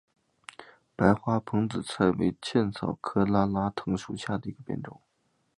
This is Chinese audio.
白花蓬子菜为茜草科拉拉藤属下的一个变种。